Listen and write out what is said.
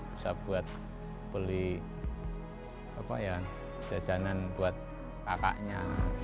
bisa buat beli jajanan buat kakaknya